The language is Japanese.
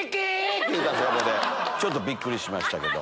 ちょっとびっくりしましたけど。